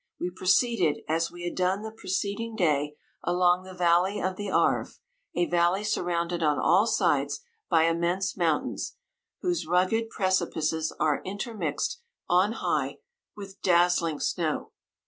We proceeded, as we had done the preceding day, along the valley of the Arve, a valley surrounded on all sides by immense mountains, whose rugged precipices are intermixed on high with dazzling snow.